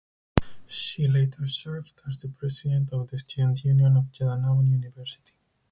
She later served as the President of the Student Union of Yadanabon University.